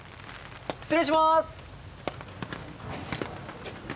失礼します。